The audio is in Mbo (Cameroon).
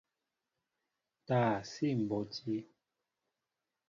Taa síi mbɔti.